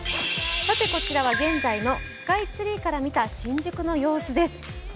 こちらは現在のスカイツリーから見た新宿の様子です。